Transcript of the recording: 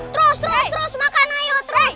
terus terus terus makan ayo terus